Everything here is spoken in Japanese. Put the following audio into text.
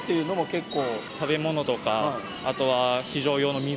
結構。